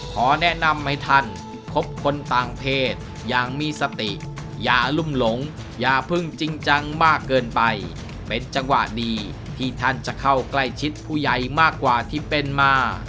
ขอแนะนำให้ท่านคบคนต่างเพศอย่างมีสติอย่าลุ่มหลงอย่าเพิ่งจริงจังมากเกินไปเป็นจังหวะดีที่ท่านจะเข้าใกล้ชิดผู้ใหญ่มากกว่าที่เป็นมา